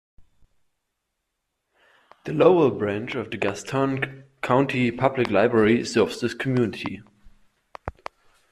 The Lowell Branch of the Gaston County Public Library serves this community.